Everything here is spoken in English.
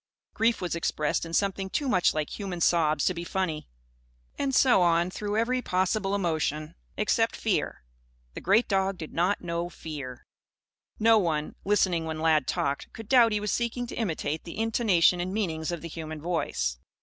Grief was expressed in something too much like human sobs to be funny. And so on through every possible emotion, except fear. The great dog did not know fear. No one, listening when Lad "talked," could doubt he was seeking to imitate the intonation and meanings of the human voice.